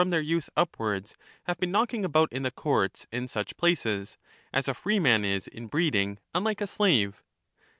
their youth upwards have been knocking about in the courts socrates, and such places, as a freeman is in breeding unlike a slave.